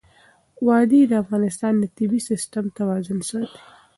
وادي د افغانستان د طبعي سیسټم توازن ساتي.